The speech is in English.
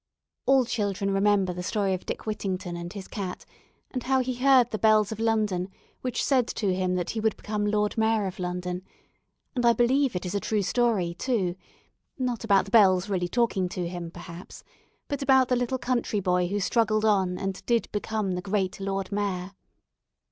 All children remember the story of Dick Whittington and his cat, and how he heard the bells of London, which said to him that he would become Lord Mayor of London; and I believe it is a true story, too, not about the bells really talking to him, perhaps, but about the little country boy who struggled on, and did become the great Lord Mayor.